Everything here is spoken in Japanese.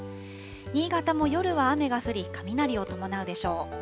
新潟も夜は雨が降り、雷を伴うでしょう。